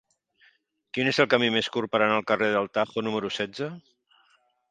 Quin és el camí més curt per anar al carrer del Tajo número setze?